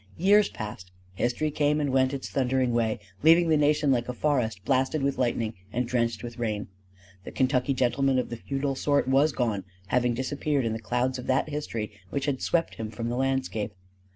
Years passed. History came and went its thundering way, leaving the nation like a forest blasted with lightning and drenched with rain. The Kentucky gentleman of the feudal sort was gone, having disappeared in the clouds of that history which had swept him from the landscape.